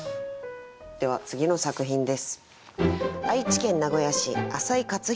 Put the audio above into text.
では次の作品です。